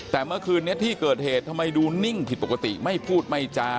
แต่เมื่อคืนนี้ที่เกิดเหตุทำไมดูนิ่งผิดปกติไม่พูดไม่จา